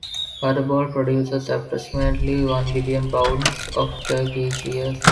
Butterball produces approximately one billion pounds of turkey each year.